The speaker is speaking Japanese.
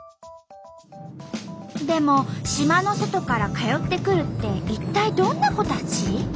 でも島の外から通ってくるって一体どんな子たち？